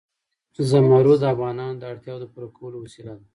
زمرد د افغانانو د اړتیاوو د پوره کولو وسیله ده.